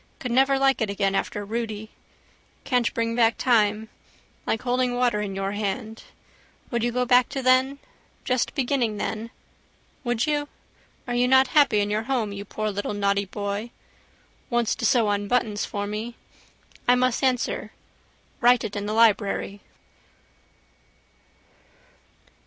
Could never like it again after Rudy. Can't bring back time. Like holding water in your hand. Would you go back to then? Just beginning then. Would you? Are you not happy in your home you poor little naughty boy? Wants to sew on buttons for me. I must answer. Write it in the library.